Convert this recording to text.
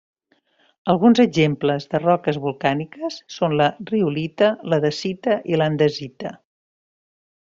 Alguns exemples de roques volcàniques són la riolita, la dacita i l'andesita.